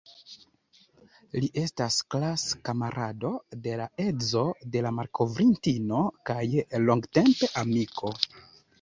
Li estas klas-kamarado de la edzo de la malkovrintino kaj longtempa amiko.